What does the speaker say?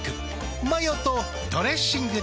マヨとドレッシングで。